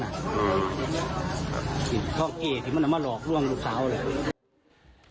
พลิกท่องเอกมันทำมาหลอกล่วงลูกสาวเลย